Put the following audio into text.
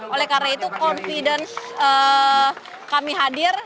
oleh karena itu confidence kami hadir